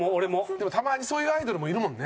でもたまにそういうアイドルもいるもんね。